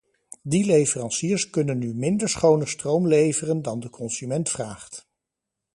Die leveranciers kunnen nu minder schone stroom leveren dan de consument vraagt.